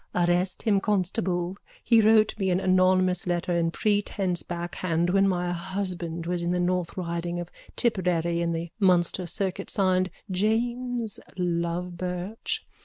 _ Arrest him, constable. He wrote me an anonymous letter in prentice backhand when my husband was in the North Riding of Tipperary on the Munster circuit, signed James Lovebirch.